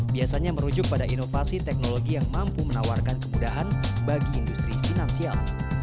biasanya merujuk pada inovasi teknologi yang mampu menawarkan kemudahan bagi industri finansial